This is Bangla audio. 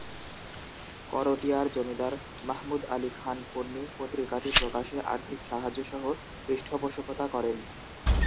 করটিয়ার জমিদার মাহমুদ আলী খান পন্নী পত্রিকাটি প্রকাশে আর্থিক সাহায্যসহ পৃষ্ঠপোষকতা করেন।